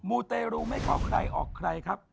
ูเตรูไม่เข้าใครออกใครครับ